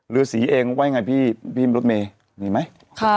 รื้อสีเองไว้ไงพี่รถเมย์มีไหม